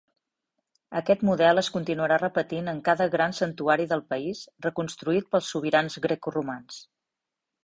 Aquest model es continuarà repetint en cada gran santuari del país reconstruït pels sobirans grecoromans.